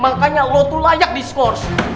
makanya lo tuh layak diskors